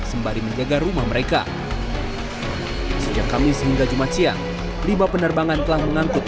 sembari menjaga rumah mereka sejak kamis hingga jumat siang lima penerbangan telah mengangkut